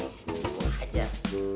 nih gua ajar